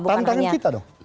tentang kita dong